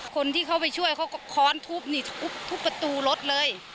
คนที่เข้าไปช่วยเขาก็คอนทุบประตูรถเลย